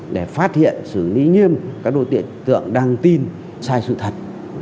để phát hiện xử lý nghiêm các đối tượng đang tin sai sự thật